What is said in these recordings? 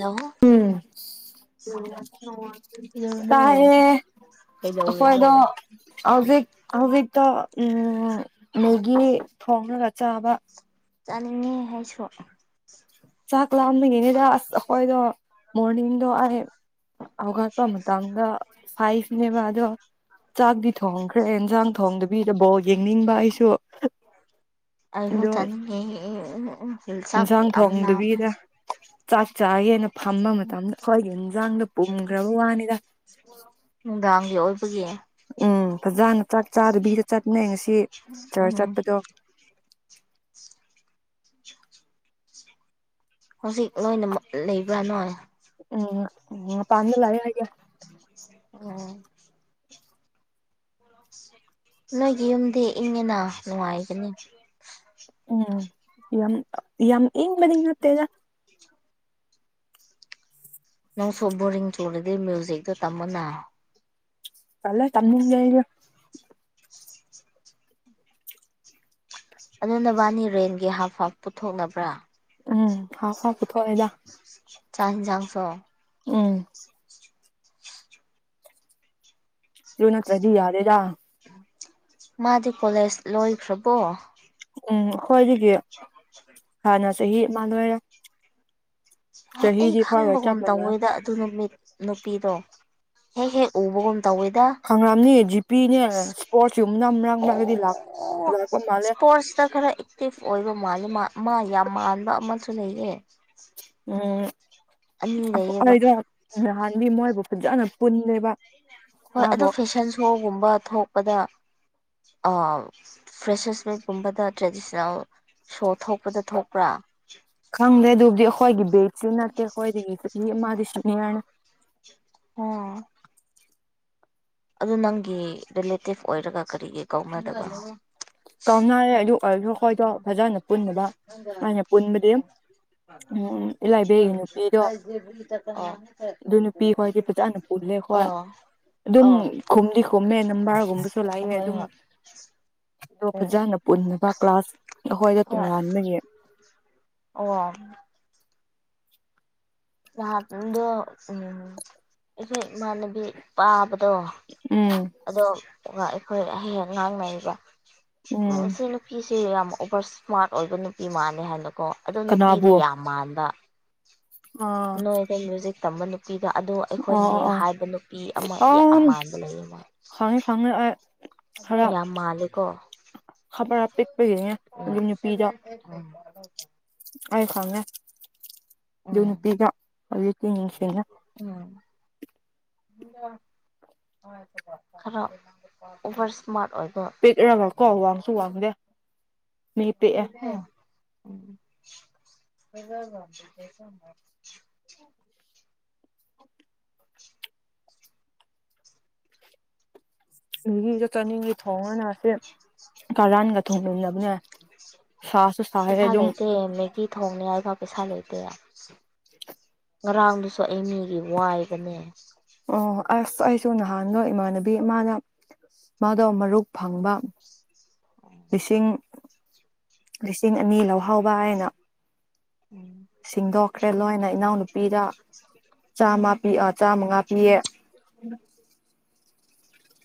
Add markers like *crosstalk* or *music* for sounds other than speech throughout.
hello ꯎꯝ ꯀꯩꯗꯧꯔꯤꯅꯣ ꯇꯥꯏꯦꯌ‌ꯦ ꯀꯩꯗꯧꯔꯤꯅꯣ ꯑꯩꯈꯣꯏꯗ‌ꯣ ꯍꯧꯖꯤꯛ ꯍꯧꯖꯤꯛ ꯇꯥ ꯎꯝ ꯃꯦꯒꯤ ꯊꯣꯡꯂꯒꯥ ꯆꯥꯕ ꯆꯠꯅꯤꯡꯉ ꯍꯥꯏꯁꯨ ꯄꯥꯃꯤꯉꯤꯅꯤꯗ ꯑꯁ ꯑꯩꯈꯣꯏꯗꯣ ꯃꯣꯔꯅꯤꯡꯗꯣ ꯑꯩ ꯑꯒꯠꯄ ꯃꯇꯥꯡꯗ ꯐꯥꯏꯁꯅꯦꯕ ꯑꯗꯣ ꯆꯥꯛꯇꯤ ꯊꯣꯡꯈ꯭ꯔꯦ ꯏꯟꯁꯥꯡ ꯊꯣꯡꯗꯕꯤꯗꯕꯣ ꯌꯦꯡꯅꯤꯡꯕ ꯑꯩꯁꯨ ꯑꯍ ꯑꯗꯣ ꯊꯅꯤ ꯍꯜꯁ ꯏꯟꯁꯥꯡ ꯌꯥꯝꯅ ꯑꯃ ꯊꯣꯡꯗꯕꯤꯗ ꯆꯥꯛ ꯆ ꯌꯦꯅ ꯐꯝꯕ ꯃꯇꯝꯗ ꯑꯩꯈꯣꯏꯒꯤ ꯏꯟꯖꯥꯡꯗꯣ ꯄꯨꯝꯈ꯭ꯔꯕ ꯋꯥꯅꯤꯗ ꯅꯨꯡꯗꯥꯡꯒꯤ ꯑꯣꯏꯕꯒꯤ ꯎꯝ ꯐꯖꯅ ꯆꯥꯛ ꯆꯥꯗꯕꯤꯗ ꯆꯠꯅꯩ ꯉꯁꯤ ꯎꯝ ꯁꯔ ꯆꯠꯄꯗꯣ ꯍꯧꯖꯤꯛ ꯂꯣꯏꯅꯃꯛ ꯂꯩꯕ꯭ꯔꯥ ꯅꯣꯏ ꯎꯝ ꯎꯄꯗꯂ ꯍꯥꯏ ꯎꯝ ꯅꯣꯏꯒꯤ ꯌꯨꯝꯗꯤ ꯏꯪꯅ ꯅꯨꯡꯉꯥꯏꯒꯅꯤ ꯎꯝ ꯌ ꯌ ꯌꯦꯟ ꯃꯗꯤ ꯃꯠꯇꯦꯖ ꯅꯪ ꯁꯣꯕꯔꯤꯡ ꯆꯣꯂꯗꯤ ꯃ꯭ꯌꯨꯖꯤꯛꯗ ꯇꯃꯅ ꯀꯂꯦ ꯇꯃꯤ ꯂꯩ ꯑꯩꯒ ꯑꯗꯨ ꯅꯕꯥꯅꯤ ꯔꯦꯟꯒꯤ ꯍꯥꯞ ꯍꯥꯞ ꯄꯨꯊꯣꯛꯅꯕ꯭ꯔꯥ ꯎꯝ ꯍꯥꯥꯎꯐ ꯍꯥꯀ ꯊꯣꯏꯗ ꯆꯥꯡꯖꯥꯡꯁꯣ ꯎꯝ ꯌꯅꯠꯇ꯭ꯔꯗꯤ ꯌꯥꯔꯦꯔ ꯃꯥꯗꯤ ꯀꯣꯂꯦꯖ ꯂꯣꯏꯈ꯭ꯔꯕꯣ ꯎꯝ *inaudible* ꯆꯍꯤ ꯆꯍꯤ ꯃꯥꯥꯡꯅꯔ ꯍ ꯑꯩ ꯈꯪꯕꯒꯨꯝ ꯇꯧꯉꯣꯏꯗ ꯑꯗꯨ ꯅꯨꯃꯤꯠ ꯅꯨꯄꯤꯗꯣ ꯍꯦꯛ ꯍꯦꯛ ꯎꯕꯒꯨꯝ ꯇꯧꯋꯦꯗ ꯈꯪꯔꯝꯅꯤ ꯖꯤꯄꯤꯅꯦ ꯏꯁꯄꯣꯔꯠꯁꯀꯨꯝꯕꯅ ꯃꯔꯛ ꯃꯔꯛꯇꯗꯤ ꯂꯥꯛ ꯂꯥꯛꯄ ꯃꯥꯜꯂꯦ ꯏꯁꯄꯣꯔꯠꯁꯇ ꯈꯔ ꯑꯦꯛꯇꯤꯞ ꯑꯣꯏꯕ ꯃꯥꯜꯂꯤꯦ ꯃꯥ ꯌꯥꯝ ꯃꯥꯟꯕ ꯑꯃꯁꯨ ꯂꯩꯌꯦ ꯎꯝ ꯑꯅꯤ ꯂꯩꯌꯦꯕ ꯑꯣꯏꯗꯥꯟ ꯗꯤ ꯃꯣꯏꯕꯨ ꯐꯖꯅ ꯄꯨꯜꯂꯦꯕ ꯍꯣꯏ ꯑꯗꯨ ꯃꯥꯕꯨ ꯐꯦꯁꯟ ꯁꯣꯒꯨꯝꯕ ꯊꯣꯛꯄꯗ ꯐ꯭ꯔꯦꯁꯔꯁꯃꯤꯛꯀꯨꯝꯕꯗ ꯇ꯭ꯔꯦꯗꯤꯁꯅꯦꯜ ꯁꯣ ꯊꯣꯛꯄꯗ ꯊꯣꯛꯄ꯭ꯔꯥ ꯐꯪꯗ꯭ꯔꯦ ꯑꯗꯨꯕꯨꯗꯤ ꯑꯩꯈꯣꯏꯒꯤ ꯕꯦꯠꯁꯨ ꯅꯠꯇꯦ ꯑꯩꯈꯣꯏꯗꯒꯤ ꯁꯨꯅꯤ ꯑꯃꯗꯤ ꯁꯨꯅꯤ ꯍꯥꯏꯔꯅꯤ ꯑ‌ꯣ ꯑꯗꯨ ꯅꯪꯒꯤ ꯔꯤꯂꯦꯇꯤꯞ ꯑꯣꯏꯔꯒ ꯀꯔꯤꯒꯤ ꯀꯧꯅꯗꯕꯅꯣ ꯀꯥꯎꯅꯔꯦ ꯑꯗꯨ ꯑꯣꯏꯔꯁꯨ ꯑꯩꯈꯣꯏꯗꯣ ꯐꯖꯅ ꯄꯨꯟꯅꯕ ꯎꯝ ꯏꯂꯥꯏꯕꯦꯒꯤ ꯅꯨꯄꯤꯗꯣ *unintelligible* ꯑꯗꯨ ꯅꯨꯄꯤ ꯍꯣꯏꯒꯤ ꯐꯖꯥꯅ ꯄꯨꯜꯂꯦ ꯍꯣꯏ ꯑꯗꯨ ꯑꯣ ꯑꯣ ꯑꯗꯨꯝ ꯑꯣ ꯈꯨꯝꯗꯤ ꯈꯨꯝꯃꯦ ꯅꯕꯥꯔꯒꯨꯝꯕꯁꯨ ꯂꯥꯛꯑꯦ ꯍꯣꯏ ꯑꯗꯨꯝ ꯑꯣ ꯍꯣꯏ ꯐꯖꯅ ꯄꯨꯟꯅꯕ ꯀ꯭ꯂꯥꯁ ꯑꯩꯈꯣꯏꯗ ꯑꯣ ꯍꯣꯏ ꯇꯣꯉꯥꯟꯕꯒꯤ ꯑꯣ ꯗ ꯎꯝ ꯃꯅꯕꯤ ꯄꯥ ꯑꯗꯣ ꯎꯝ ꯑꯗꯣ ꯑꯩꯈꯣꯏ ꯍꯦꯛ ꯉꯥꯡꯅꯔꯤꯕ ꯎꯝ ꯁꯤ ꯅꯨꯄꯤꯁꯤ ꯌꯥꯝ ꯑꯣꯚꯔ ꯏꯁꯃꯥꯔꯠ ꯑꯣꯏꯕ ꯅꯨꯄꯤ ꯃꯥꯜꯅꯦ ꯍꯥꯏꯅ ꯀꯣ ꯑꯗꯨ ꯅꯨꯄꯤꯗꯨꯣ ꯀꯅꯥꯕꯨ ꯌꯥꯝ ꯃꯥꯟꯕ ꯑꯥ ꯅꯣꯏꯗ ꯃ꯭ꯨꯁꯤꯛ ꯇꯝꯕ ꯂ ꯅꯨꯄꯤꯗꯣ ꯑꯗ ꯑꯩꯈꯣꯏꯅ ꯑꯣ ꯑꯣ ꯍꯦꯛ ꯍꯥꯏꯕ ꯅꯨꯄꯤ ꯑꯃ ꯑꯣ ꯌꯥꯝ ꯑꯝ ꯃꯥꯟꯕ ꯂꯩꯌꯦꯅ ꯈꯪꯉꯦ ꯈꯪꯉꯦ ꯑꯩ ꯈꯔ ꯌꯥꯝ ꯃꯥꯂꯤꯒꯣ ꯈꯕꯔ ꯄꯤꯛꯄꯒꯤꯅꯦ ꯑꯗꯨ ꯅꯨꯄꯤꯗꯣ *unintelligible* ꯑꯩ ꯈꯪꯃꯦꯦ ꯑꯗꯨ ꯎꯝ ꯅꯨꯄꯤꯒ ꯑꯗꯨꯛꯇ ꯅꯤꯡꯁꯤꯅ ꯕꯔ ꯁꯃꯥ ꯄꯤꯛꯕ ꯀꯣ ꯋꯥꯡꯁꯨ ꯋꯥꯡꯗꯦ ꯃꯤ ꯄꯦꯛꯛꯑꯦ ꯎꯝ *unintelligible* ꯑꯩꯒꯤꯗ ꯆꯥꯅꯤꯡꯒꯤ ꯊꯣꯡꯉꯅꯁꯦ ꯀꯔꯥꯟꯒ ꯊꯣꯡꯃꯤꯟꯅꯕꯅꯦ ꯁꯥꯁꯨ ꯁꯥꯏꯌꯦ ꯏꯁꯥ ꯑꯗꯨꯝ ꯂꯩꯇꯦ ꯃꯦꯒꯤ ꯊꯣꯡꯅꯦ ꯍꯥꯏꯐ ꯄꯩꯁꯥ ꯂꯩꯇꯦ ꯉꯔꯥꯡꯗꯨꯁꯨ ꯑꯩ ꯃꯤꯒꯤ ꯋꯥꯏꯕꯅꯦ ꯑꯣ ꯑꯁ ꯑꯩꯁꯨ ꯅꯍꯥꯟ ꯂꯣ ꯏꯃꯥꯟꯅꯕꯤ ꯏꯃꯅ ꯃꯥꯗꯣ ꯃꯔꯨꯛ ꯐꯪꯕ ꯂꯤꯁꯤꯡ ꯂꯤꯁꯤꯡ ꯑꯅꯤ ꯂꯧꯍꯥꯎꯕ ꯍꯥꯏꯅ ꯎꯝ ꯁꯤꯡꯗꯣꯛꯈ꯭ꯔꯦ ꯂꯣꯏꯅ ꯏꯅꯥꯎꯅꯨꯄꯤꯗ ꯆꯥꯃ ꯄꯤ ꯑ ꯆꯥꯃꯉꯥ ꯄꯤꯌꯦ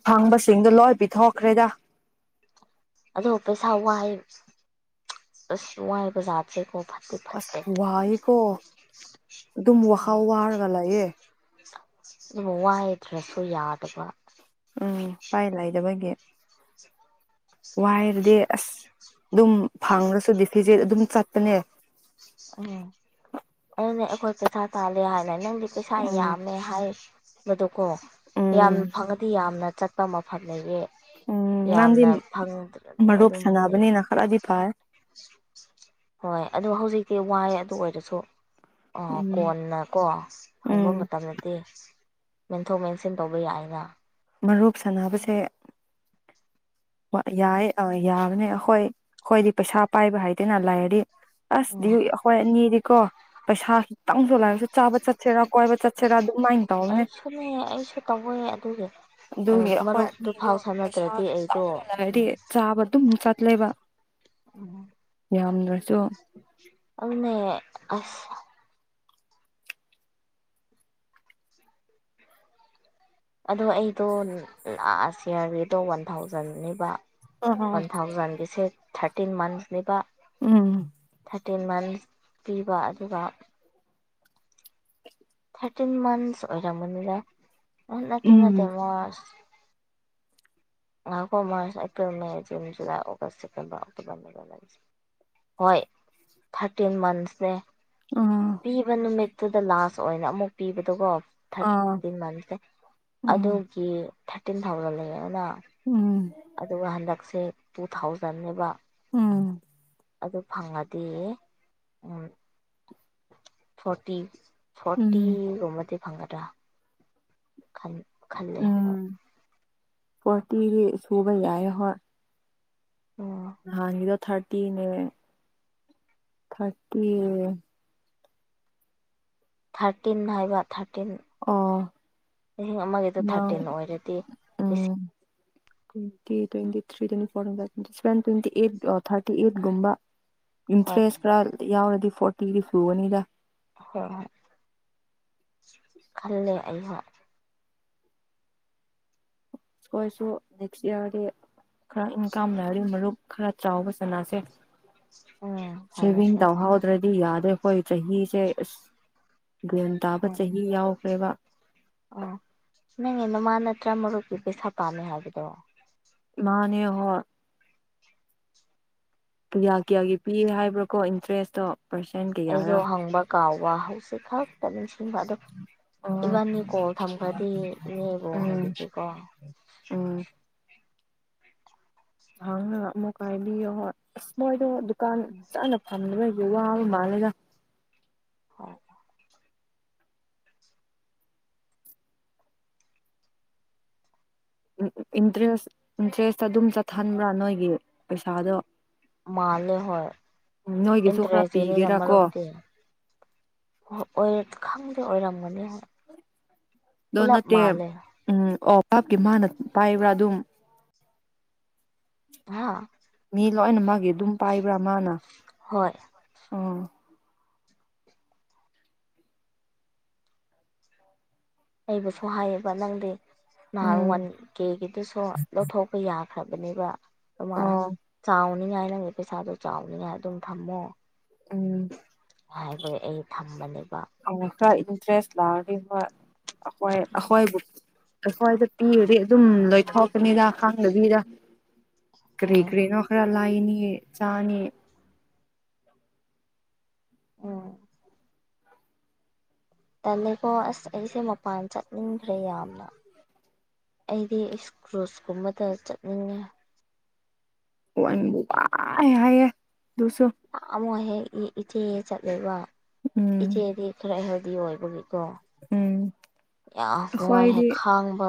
ꯐꯪꯕꯁꯤꯡꯗꯣ ꯂꯣꯏ ꯄꯤꯊꯣꯛꯈ꯭ꯔꯦꯗ ꯑꯗꯣ ꯄꯩꯁꯥ ꯋꯥꯏ ꯑꯁ ꯋꯥꯏ ꯕꯖꯥꯔꯁꯦꯀꯣ ꯐ ꯑꯁ ꯋꯥꯏꯀꯣ ꯑꯗꯨꯝ ꯋꯥꯈꯥꯎ ꯋꯥꯔꯒ ꯂꯥꯛꯌꯦ ꯃꯨꯋꯥꯥꯏ ꯔꯁꯣ ꯌꯥꯗꯕ ꯎꯝ ꯎꯄꯥꯏ ꯂꯩꯗꯕꯒꯤ ꯋꯥꯏꯔꯗꯤ ꯑꯁ ꯑꯗꯨꯝ ꯐꯉꯁꯨꯗꯤ ꯐꯤꯖꯦꯠ ꯑꯗꯨꯝ ꯆꯠꯄꯅꯦ ꯎꯝ ꯑꯗꯨꯅꯦ ꯑꯩꯈꯣꯏ ꯄꯩꯁꯥ ꯇꯥꯜꯂꯦ ꯍꯥꯏꯅ ꯅꯪꯗꯤ ꯄꯩꯁꯥ ꯎꯝ ꯌꯥꯝꯃꯦ ꯍꯥꯏ ꯃꯗꯨꯀꯣ ꯌꯥꯝ ꯎꯝ ꯐꯪꯉꯗꯤ ꯌꯥꯝꯅ ꯆꯠꯄ ꯃꯐꯝ ꯂꯩꯌꯦ ꯎꯝ ꯅꯪꯗꯤ ꯌꯥꯝꯅ ꯐꯪꯗ꯭ꯔꯗꯤ ꯃꯔꯨꯞ ꯑꯗꯨꯝ ꯂꯩ ꯁꯥꯟꯅꯕꯅꯤꯅ ꯈꯔꯗꯤ ꯐꯩ ꯍꯣꯏ ꯑꯗꯨꯣ ꯍꯧꯖꯤꯛꯇꯤ ꯋꯥꯏꯦ ꯑꯗꯨ ꯑꯣꯏꯔꯁꯨ ꯑꯥ ꯎꯝ ꯀꯣꯟꯅꯀꯣ ꯎꯝ ꯍꯪꯕ ꯃꯇꯝꯗꯗꯤ ꯃꯦꯟꯊꯣꯛ ꯃꯦꯟꯁꯤꯟ ꯇꯧꯕ ꯌꯥꯏꯅ ꯃꯔꯨꯞ ꯁꯥꯟꯅꯕꯁꯦ ꯌꯥꯏ ꯑ ꯌꯥꯕꯅꯦ ꯑꯩꯈꯣꯏ ꯑꯩꯈꯣꯏꯗꯤ ꯄꯩꯁꯥ ꯄꯥꯏꯕ ꯍꯥꯏꯗꯦꯅ ꯂꯥꯏꯔꯗꯤ ꯎꯝ ꯑꯁꯗꯤ ꯑꯩꯈꯣꯏ ꯑꯅꯤꯗꯤꯀꯣ ꯄꯩꯁꯥ ꯈꯤꯇꯪꯁꯨꯂꯥꯏꯔꯁꯨ ꯆꯥꯕ ꯆꯠꯁꯤꯦꯔꯥ ꯀꯣꯏꯕ ꯆꯠ ꯑꯩꯁꯨꯅꯦ ꯑꯩꯁꯨ ꯇꯧꯋꯦ ꯑꯗꯨꯒꯤ ꯑꯗꯨ ꯑꯩꯈꯣꯏ ꯑ ꯃꯔꯨꯞꯇꯨ ꯐꯥꯎ ꯁꯥꯟꯅꯗ꯭ꯔꯗꯤ ꯑꯩꯗꯣ ꯄꯩꯁꯥ ꯗꯤ ꯆꯥꯕ ꯑꯗꯨ ꯆꯠꯂꯕ ꯎꯝ ꯌꯥꯝꯗ꯭ꯔꯁꯨ ꯑꯗꯨ ꯑꯁ ꯑꯗꯣ ꯑꯩꯗꯣ ꯁꯤꯌꯥꯔꯂꯤꯗꯣ ꯋꯥꯟ ꯊꯥꯎꯖꯟꯅꯤꯕ ꯑ ꯋꯥꯟ ꯊꯥꯎꯖꯟꯒꯤꯁꯦ ꯊꯥꯔꯇꯤꯟ ꯃꯟꯁꯅꯦꯕ ꯎꯝ ꯊꯥꯔꯇꯤꯟ ꯃꯟꯁ ꯄꯤꯕ ꯑꯗꯨꯒ ꯊꯥꯔꯇꯤꯟ ꯃꯟꯊꯁ ꯑꯣꯏꯔ ꯃꯅꯤꯗ ꯅꯠꯇꯦ ꯅꯠꯇꯦ ꯎꯝ ꯃ ꯉꯈꯣ March April May June July August September ꯑꯣꯛꯇꯣꯕꯔꯁ ꯍꯣꯏ ꯊꯥꯔꯇꯤꯟ ꯃꯟꯁꯅꯦ ꯑꯥ ꯄꯤꯕ ꯅꯨꯃꯤꯠꯇꯨꯗ ꯂꯥꯁ ꯑꯣꯏꯅ ꯑꯃꯨꯛ ꯄꯤꯕꯗꯨꯀꯣ ꯑꯥ ꯊꯥꯔꯇꯤꯟ ꯃꯟꯦ ꯎꯝ ꯑꯗꯨꯒꯤ ꯊꯥꯔꯇꯤꯟ ꯊꯥꯎꯖꯟ ꯂꯩꯌꯦ ꯑꯗꯨꯅ ꯎꯝ ꯑꯗꯨꯒ ꯍꯟꯗꯛꯁꯦ ꯇꯨ ꯊꯥꯎꯖꯟꯅꯦꯕ ꯎꯝ ꯑꯗꯨ ꯐꯪꯉꯗꯤ ꯎ ꯐꯣꯔꯇꯤ ꯎꯝ ꯐꯣꯔꯇꯤꯒꯨꯝꯕꯗꯤ ꯐꯪꯒꯗ꯭ꯔꯥ ꯈꯜꯂꯦ ꯍꯣꯏ ꯐꯇꯤꯗꯤ ꯁꯨꯕ ꯌꯥꯏ ꯍꯣꯏ ꯎꯝ ꯍꯗ ꯊꯥꯔꯇꯤꯅꯦ ꯊꯥꯔꯇꯤ ꯊꯥꯔꯇꯤꯟ ꯍꯥꯏꯕ ꯊꯥꯔꯇꯤꯟ ꯑꯣ ꯂꯤꯁꯤꯡ ꯑꯃꯒꯤꯗ ꯅꯪ ꯊꯥꯔꯇꯤꯟ ꯑꯣꯏꯔꯗꯤ ꯎꯝ *inaudible* ꯇ꯭ꯋꯦꯟꯇꯤ ꯇ꯭ꯋꯦꯟꯤ꯭ꯔꯤ ꯐ꯭ꯋ ꯇ꯭ꯋꯦꯟꯇꯤ ꯑꯩꯠ ꯊꯥꯔꯇꯤ ꯑꯩꯠꯨꯝꯕ ꯍꯣꯏ ꯏꯟꯇꯔꯦꯁ ꯈꯔ ꯌꯥꯎꯔꯗꯤ ꯐꯣꯔꯇꯤꯗꯤ ꯁꯨꯒꯅꯤꯗ ꯍꯣꯏ ꯍꯣꯏ ꯈꯜꯂꯦ ꯑꯍꯥꯛ ꯑꯩꯈꯣꯏꯁꯨ ꯅꯦꯛꯁ ꯏꯌꯥꯔꯗꯤ ꯈꯔ ꯏꯪꯀꯥꯝꯅꯔꯤ ꯃꯔꯨꯞ ꯈꯔ ꯆꯥꯎꯕ ꯆꯅꯥꯁꯦ ꯎꯝ ꯁꯦꯚꯤꯡ ꯍꯥꯏꯔꯁꯦ ꯇꯧꯍꯧꯗ꯭ꯔꯗꯤ ꯌꯥꯔꯣꯏ ꯑꯩꯈꯣꯏ ꯆꯍꯤꯁꯦ ꯑꯁ ꯒ꯭ꯌꯥꯟ ꯇꯥꯕ ꯍꯣꯏ ꯆꯍꯤ ꯌꯥꯎꯈ꯭ꯔꯦꯕ ꯑꯣ ꯅꯪꯅꯦ ꯅꯃꯥ ꯅꯠꯇ꯭ꯔꯥ ꯃꯔꯨꯞꯛꯀꯤ ꯄꯩꯁꯥ ꯄꯥꯝꯃꯦ ꯍꯥꯏꯕꯗꯣ ꯃꯥꯅꯦ ꯍꯣ ꯄꯨꯌꯥ ꯀꯌꯥꯒꯤ ꯄꯤꯔꯦ ꯍꯥꯏꯕ꯭ꯔꯥꯀꯣ ꯏꯟꯇꯔꯦꯁꯇꯣ ꯄꯥꯔꯁꯦꯟ ꯀꯌꯥꯔꯥ ꯑꯩꯁꯨꯣ ꯍꯪꯕ ꯀꯥꯎꯕ ꯍꯧꯖꯤꯛ ꯈꯛꯇ ꯅꯤꯡꯁꯤꯡꯕ ꯑꯗ ꯑꯣ ꯏꯕꯥꯅꯤ ꯀꯣꯜ ꯊꯝꯈ꯭ꯔꯗꯤꯅꯦ ꯏꯕ ꯎꯝ ꯍꯕꯤꯒꯦꯀꯣ ꯎꯝ ꯅꯍꯪꯅ ꯑꯃꯨꯛ ꯀꯥꯏꯕꯤꯌꯣ ꯍꯣꯏ ꯑꯁ ꯃꯣꯏꯗꯣ ꯗꯨꯀꯥꯟ ꯆꯥꯅ ꯐꯝ ꯌꯦꯕ ꯃꯥꯂꯦꯒ ꯍꯣꯏ ꯎ ꯏꯟꯇꯔꯦꯁ ꯏꯟꯇꯔꯦꯁ ꯑꯗꯨꯝ ꯆꯠꯍꯟꯕ꯭ꯔꯥ ꯅꯣꯏꯒꯤ ꯄꯩꯁꯥꯗꯣ ꯃꯥꯂꯦ ꯍꯣꯏ ꯅꯣꯏꯒꯤꯁꯨ ꯈꯔ ꯏꯟꯇꯔꯦꯁꯅꯤ ꯅꯝꯕꯔ ꯄꯤꯒꯦꯔꯥꯀꯣ ꯎ ꯑꯣꯏꯔ ꯈꯪꯗꯦ ꯑꯣꯏꯔꯝꯃꯅꯤ ꯗꯣꯅꯠꯇ ꯎꯝ ꯑꯣꯐ ꯄꯥꯞꯀꯤ ꯃꯥꯅ ꯄꯥꯏꯕ꯭ꯔꯥ ꯑꯗꯨꯝ ꯍꯥ ꯃꯤ ꯂꯣꯏꯅ ꯃꯥꯒꯤ ꯑꯗꯨꯝ ꯄꯥꯏꯕ꯭ꯔꯥ ꯃꯥꯅ ꯍꯣꯏ ꯎꯝ ꯑꯩꯕꯨꯁꯨ ꯍꯥꯏꯌꯦꯕ ꯅꯪꯗꯤ ꯅꯍꯥꯟ ꯎꯝ ꯋꯥꯟ ꯀꯦꯒꯤꯗꯨꯁꯨ ꯂꯧꯊꯣꯛꯄ ꯌꯥꯈ꯭ꯔꯕꯅꯦꯕ ꯑꯗꯨꯃꯅ ꯑꯣ ꯆꯥꯎꯅꯤꯉꯥꯏ ꯅꯪꯒꯤ ꯄꯩꯁꯥꯗꯣ ꯆꯥꯎꯅꯤꯉꯥꯏ ꯑꯗꯨꯝ ꯊꯝꯃꯣ ꯎꯝ ꯈꯦ ꯑꯩ ꯊꯝꯕꯅꯦ ꯈꯔ ꯏꯟꯇꯔꯦꯁ ꯂꯥꯛꯑꯂꯤ ꯑꯩꯈꯣꯏꯕꯨ ꯑꯩꯈꯣꯏꯗ ꯄꯤꯔꯗꯤ ꯑꯗꯨꯝ ꯎꯝ ꯂꯣꯏꯊꯣꯛꯀꯅꯤꯗ ꯈꯪꯗꯕꯤꯗ ꯀꯔꯤ ꯍꯣꯏ ꯀꯔꯤꯅ ꯑꯣꯈꯔ ꯂꯥꯏꯅꯤ ꯆꯥꯅꯤ ꯑꯣ ꯇꯂꯀꯣ ꯑꯁ ꯑꯩꯁꯦ ꯃꯄꯥꯟ ꯆꯠꯅꯤꯡꯈ꯭ꯔꯦ ꯌꯥꯝꯅ ꯑꯩꯗꯤ ꯏꯁꯀ꯭ꯔꯨꯁꯀꯨꯝꯕꯗ ꯆꯠꯅꯤꯡꯉꯦ ꯋꯥꯟꯌꯦ ꯑꯃꯨꯛ ꯍꯦꯛ ꯏꯆꯦ ꯆꯠꯂꯕ ꯎꯝ ꯏꯆꯦꯗꯤ ꯈꯔ ꯍꯦꯜꯗꯤ ꯑꯣꯏꯕꯒꯤ ꯀ ꯎꯝ ꯌꯥꯝ ꯅꯨꯡꯉꯥꯏꯍꯦ ꯑꯩꯈꯣꯏꯗꯤ ꯈꯥꯡꯕ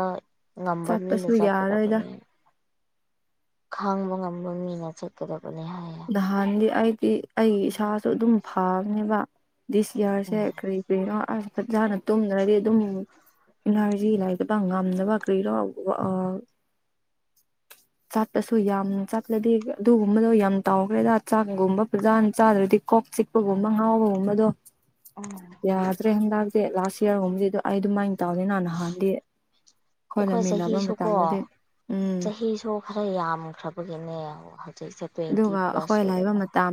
ꯉꯝꯕ ꯃꯤꯅ ꯆꯠꯄꯁꯨ ꯌꯥꯔꯣꯏꯗ ꯆꯠꯀꯗꯕꯅꯦ ꯈꯥꯡꯕ ꯉꯝꯕ ꯃꯤꯅ ꯆꯠꯀꯗꯕꯅꯤ ꯍꯥꯏ ꯅꯍꯥꯟꯗꯤ ꯑꯩꯗꯤ ꯑꯩ ꯏꯁꯥꯁꯨ ꯑꯗꯨꯝ ꯐꯕꯅꯦꯕ ꯗꯤꯁꯌꯥꯔꯁꯦ ꯎꯝ ꯀꯔꯤ ꯀꯔꯤꯅꯣ ꯑꯁ ꯐꯖꯅ ꯇꯨꯝꯗ꯭ꯔꯗꯤ ꯑꯗꯨꯝ ꯏꯅꯔꯖꯤ ꯂꯥꯏꯔꯤꯛꯇꯕ ꯉꯝꯅꯕ ꯀꯔꯤ ꯂꯧꯔ ꯑ ꯆꯥꯠꯄꯁꯨ ꯌꯥꯝ ꯆꯥꯠꯂꯗꯤ ꯑꯗꯨꯒꯨꯝꯕꯗꯣ ꯌꯥꯝ ꯇꯥꯎꯈ꯭ꯔꯦꯗ ꯆꯥꯛꯒꯨꯝꯕ ꯄꯨ꯭ꯔꯖꯥꯅ ꯆꯥꯗ꯭ꯔꯗꯤ ꯀꯣꯛ ꯆꯤꯛꯄꯒꯨꯝꯕ ꯉꯥꯎꯕꯒꯨꯝꯕꯗꯣ ꯌꯥꯗ꯭ꯔꯦ ꯍꯟꯗꯥꯛꯁꯦ ꯂꯥꯁ ꯏꯌꯥꯔꯒꯨꯝꯕꯕꯁꯤꯗ ꯑꯩ ꯑꯗꯨꯃꯥꯏꯅ ꯇꯧꯅꯤꯦ ꯅꯍꯥꯟ ꯅꯍꯥꯟꯗꯤ ꯑꯩꯈꯣꯏ ꯈꯣꯏꯂꯝꯃꯤꯟꯅꯕ ꯆꯍꯤꯁꯨꯀꯣ ꯃꯇꯝꯗꯗꯤ ꯎꯝ ꯆꯍꯤꯁꯨ ꯈꯔ ꯌꯥꯝꯈ꯭ꯔꯕꯒꯤꯅꯦ ꯍꯧꯖꯤꯛꯁꯦ ꯇ꯭ꯋꯦꯟꯇꯤ ꯑꯗꯨꯒ ꯄ꯭ꯂꯁ ꯑꯩꯈꯣꯏ ꯑꯣꯏꯔꯦꯅ ꯂꯥꯛꯕꯗ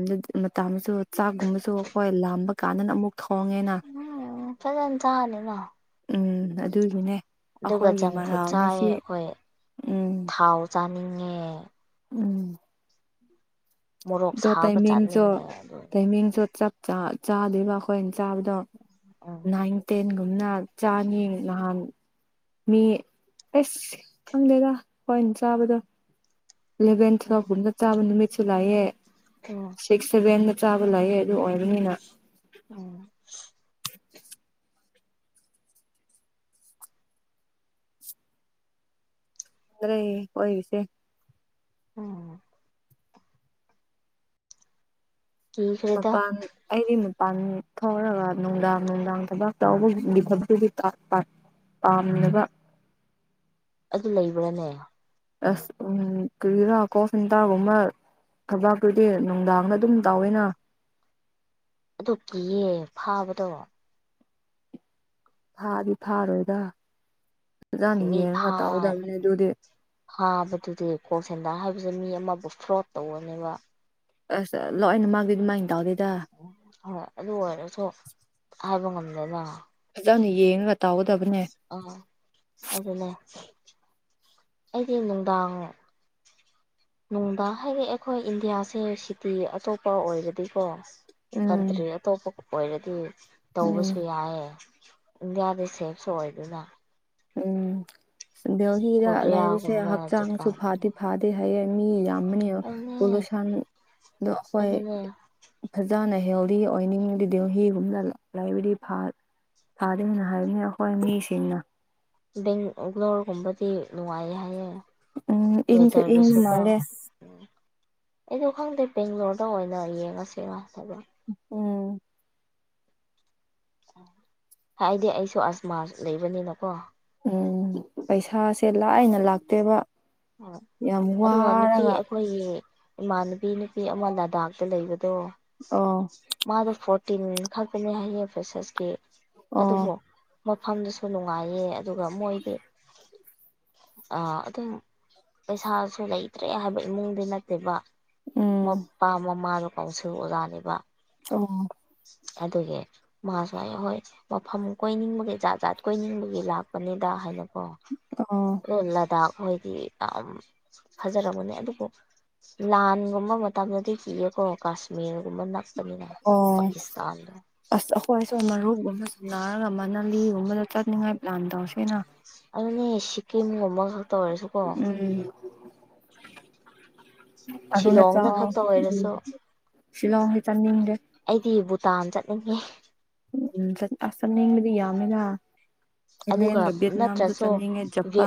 ꯃꯇꯝꯗꯁꯨ ꯆꯥꯛꯒꯨꯝꯕꯁꯨ ꯑꯩꯈꯣꯏ ꯂꯥꯝꯕ ꯀꯥꯟꯗꯅ ꯑꯃꯨꯛ ꯊꯣꯡꯉꯦꯅ ꯎꯝ ꯐꯖꯅ ꯆꯥꯅꯤꯅ ꯎꯝ ꯑꯗꯨꯒꯤꯅꯦ ꯑꯗꯨꯒ ꯑꯩꯈꯣꯏꯒꯤ ꯖꯪ ꯐꯨꯗ ꯃꯔꯥꯜꯅꯤ ꯆꯥꯏꯑ ꯁꯤ ꯑꯩꯈꯣꯏ ꯎꯝ ꯊꯥꯎ ꯆꯥꯅꯤꯡꯉꯦ ꯎꯝ ꯃꯣꯔꯣꯛ ꯣ ꯁꯥꯕ ꯇꯥꯏꯃꯤꯡꯁꯨꯣ ꯆꯥꯅꯤꯡꯉꯦ ꯑꯗꯨ ꯇꯥꯏꯃꯤꯡꯖ ꯆꯥꯛ ꯆꯥꯗꯣꯏꯔꯤꯕ ꯑꯩꯈꯣꯏꯅ ꯆꯥꯕꯗꯣ ꯎꯝ ꯅꯥꯏꯟ ꯇꯦꯟ ꯑꯗꯨꯝꯅ ꯆꯥꯅꯤ ꯅꯍꯥꯟ ꯃꯤ ꯑꯁ ꯈꯪꯗꯦꯗ ꯍꯣꯏ ꯆꯥꯕꯗꯣ ꯏꯂꯦꯚꯦꯟ ꯇꯨꯋꯒꯨꯝꯅ ꯇꯥꯕ ꯅꯨꯃꯤꯠꯁꯨ ꯂꯥꯛꯑꯦ ꯎꯝ ꯁꯤꯛꯁ ꯁꯚꯦꯟ ꯆꯥꯕ ꯂꯥꯛꯑꯦ ꯑꯗꯨ ꯑꯣꯏꯕꯅꯤꯅ ꯎꯝ ꯑꯗꯨ꯭ꯔ ꯑꯣꯏꯣꯏꯁꯦ ꯎꯝ ꯀꯤꯈ꯭ꯔꯦꯗ ꯖꯄꯥꯟ ꯑꯩꯗꯤ ꯄꯥꯟ ꯊꯧꯔꯒ ꯅꯨꯡꯗꯥꯡ ꯅꯨꯡꯗꯥꯡ ꯊꯕꯛ ꯇꯧꯕꯒꯤ ꯊꯕꯛꯇꯨꯒꯤ ꯑꯝꯂꯗ *inaudible* ꯑꯗꯨ ꯂꯩꯕ꯭ꯔꯥꯅꯦ ꯑꯁ ꯎꯝ ꯀꯔꯤꯗꯥ ꯀꯣ ꯁꯤꯇꯒꯃ ꯊꯕꯥꯛꯇꯨꯗꯤ ꯅꯨꯡꯗꯥꯡꯗ ꯑꯗꯨꯝ ꯇꯥꯎꯋꯦꯅ ꯑꯗꯨ ꯀꯤꯌꯦ ꯐꯥꯕꯗꯣ ꯊꯥꯗꯤ ꯊꯥꯔꯣꯏꯒ ꯑꯗꯨꯖꯅꯤ ꯃꯤ ꯌꯦ ꯉ ꯐꯥ ꯇꯥꯎ ꯎꯗ ꯑꯗꯨꯗꯤ ꯀꯣꯛ ꯁꯦꯟꯗꯥ ꯍꯥꯏꯕꯁꯦ ꯃꯤ ꯑꯃꯕꯨ ꯐ꯭ꯔꯣꯗ ꯇꯧꯔꯅꯦꯕ ꯑꯁ ꯂꯣꯏꯅ ꯃꯥꯗꯤ ꯑꯗꯨꯃꯥꯏꯅ ꯇꯧꯗꯦ ꯎ ꯍꯣꯏ ꯑꯗꯨ ꯑꯣꯏꯔꯁꯨ ꯍꯥꯏꯕ ꯉꯝꯗꯅ ꯌꯥꯝꯅ ꯌꯦꯡꯉ ꯑ ꯑꯗꯨ ꯂꯩ ꯑꯩꯗꯤ ꯅꯨꯡꯗꯥꯡ ꯅꯨꯡꯗꯥꯡ ꯍꯥꯏꯗꯤ ꯑꯩꯈꯣꯏ ꯏꯟꯗꯤꯌꯥꯁꯦ ꯁꯤꯇꯤ ꯑꯇꯣꯞꯄ ꯑꯣꯏꯔꯗꯤꯀꯣ ꯎꯝ ꯀꯟꯇ꯭ꯔꯤ ꯑꯇꯣꯞꯄ ꯑꯣꯏꯔꯗꯤ ꯎꯝ ꯇꯧꯕꯁꯨ ꯌꯥꯏꯑꯌꯦ ꯏꯟꯗꯤꯌꯥꯗ ꯁꯦꯞꯁꯨ ꯑꯣꯏꯗꯅ ꯎꯝ ꯕꯎꯍꯤꯗ ꯂꯩꯕꯁꯦ ꯀꯣꯔꯤꯌꯥꯒꯨꯝꯕ ꯍꯛꯆꯥꯡꯁꯨ ꯖꯄꯥꯟꯒꯨꯝꯕ ꯐꯗꯤ ꯐꯥꯗꯦ ꯍꯥꯏ ꯃꯤ ꯌꯥꯝꯅꯤ ꯑꯗꯨꯅꯦ ꯄꯣꯂꯨꯁꯟꯗ ꯍꯣꯏ ꯑꯗꯨꯅꯦ ꯐ ꯏꯁꯥꯅ ꯍꯦꯜꯗꯤ ꯑꯣꯏꯅꯤꯡꯉ ꯑꯗꯨꯗꯤ ꯍꯤꯒꯨꯝꯅ ꯂꯕꯗꯤ ꯐꯥꯗꯅ ꯍꯥꯏꯕꯅꯤ ꯑꯩꯈꯣꯏ ꯃꯤꯁꯤꯡꯅ ꯕꯦꯡꯒ꯭ꯂꯣꯔꯒꯨꯝꯕꯗꯤ ꯅꯨꯡꯉꯥꯏ ꯍꯌꯦ ꯎꯝ ꯏꯡꯁꯨ ꯏꯪ ꯃꯥꯂꯦ ꯎꯝ ꯑꯩꯗꯣ ꯈꯪꯗꯦ ꯕꯦꯡꯒ꯭ꯂꯣꯔꯗ ꯑꯣꯏꯅ ꯌꯦꯡꯉꯁꯤ ꯔꯇꯗ ꯎꯝ ꯍꯥꯏꯗꯤ ꯑꯩꯁꯨ ꯑꯁꯃꯥ ꯂꯩꯕꯅꯤꯅꯀꯣ ꯎꯝ ꯄꯩꯁꯥꯁꯦ ꯂꯥꯏꯅ ꯂꯥꯛꯇꯦꯕ ꯌꯥꯝ ꯑꯗꯨꯒ ꯅꯨꯄꯤ ꯋꯥꯔꯒ ꯑꯩꯈꯣꯏꯒꯤ ꯏꯃꯥꯟꯅꯕꯤ ꯅꯨꯄꯤ ꯑꯃ ꯂꯥꯗꯥꯛꯇ ꯂꯩꯕꯗꯣ ꯑꯣ ꯃꯥꯗꯣ ꯐꯣꯔ ꯇꯤꯟ ꯈꯛꯄꯅꯦ ꯍꯥꯏꯌꯦ ꯐꯦꯁꯁꯀꯤ ꯑꯣ ꯑꯗꯨꯕꯨ ꯃꯐꯝꯗꯨꯁꯨ ꯅꯨꯡꯉꯥꯏꯌꯦ ꯑꯗꯨꯒ ꯃꯣꯏꯗꯤ ꯑ ꯑꯗꯨꯝ ꯄꯩꯁꯥꯁꯨ ꯂꯩꯇ꯭ꯔꯦ ꯍꯥꯏꯕ ꯏꯃꯨꯡꯗꯤ ꯅꯠꯇꯦꯕ ꯎꯝ ꯃꯄꯥ ꯃꯃꯥꯗꯣ ꯀꯥꯎꯁꯤꯜ ꯑꯣꯖꯥꯅꯦꯕ ꯑꯣ ꯑꯗꯨꯒꯤ ꯃꯥꯁꯨ ꯑꯍꯣꯏ ꯃꯐꯝ ꯀꯣꯏꯅꯤꯡꯕꯒꯤ ꯖꯥꯠ ꯖꯥꯠ ꯀꯣꯏꯅꯤꯡꯕꯒꯤ ꯂꯥꯛꯄꯅꯤꯗ ꯍꯥꯏꯅ ꯑꯣ ꯑꯣ ꯑ ꯂꯗꯥꯛ ꯍꯣꯏꯗꯤ ꯌꯥꯝ ꯐꯖꯔꯔꯕꯅꯦ ꯑꯗꯨꯕꯨ ꯂꯥꯟꯒꯨꯝꯕ ꯃꯇꯝꯗꯗꯤ ꯀꯤꯌꯦꯀꯣ ꯀꯥꯁꯃꯤꯔꯒꯨꯝꯕ ꯅꯛꯄꯅꯤꯅ ꯑꯣ ꯄꯥꯀꯤꯁꯇꯥꯟꯗꯣ ꯑꯁ ꯑꯩꯈꯣꯏꯁꯨ ꯃꯔꯨꯞꯒꯨꯝ ꯑꯃ ꯁꯨꯝꯅꯔꯒ ꯑꯃꯅꯂꯤꯒꯨꯝꯕꯗ ꯆꯠ ꯅꯤꯡꯉꯥꯏ ꯂꯥꯟ ꯇꯧꯁꯦꯅ ꯑꯗꯨꯅꯦ ꯁꯤꯛꯀꯤꯝꯒꯨꯝꯕ ꯈꯛꯇ ꯑꯣꯏꯔꯁꯨꯀꯣ ꯎꯝ ꯑꯗꯨꯅꯠꯇ ꯁꯤꯂꯣꯡꯗ ꯈꯛꯇ ꯎ ꯑꯣꯏꯔꯁꯨ ꯁꯤꯂꯣꯡ ꯍ ꯆꯥꯟꯅꯤ ꯑꯩꯗꯤ ꯚꯨꯇꯥꯟ ꯆꯠꯅꯤꯡꯉꯦ ꯎꯁꯟꯅꯅꯤꯡꯗꯤ ꯌꯥꯃꯦꯗ ꯂ ꯑꯗꯨꯒ ꯠꯅꯥꯝꯁꯨ ꯅꯠꯇ꯭ꯔꯁꯨ ꯆꯅꯤꯡꯅꯤꯡꯉꯦ ꯚꯦꯠ ꯖꯄꯥꯥꯟ